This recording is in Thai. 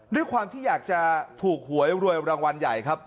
ด้วยความที่อยากจะถูกหวยรวยรางวัลใหญ่ครับ